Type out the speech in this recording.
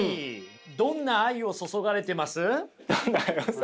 「どんな愛を注がれてる」！？